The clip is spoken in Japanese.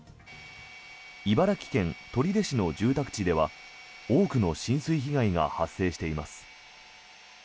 茨城県取手市の住宅地では多くの浸水被害が発生しています。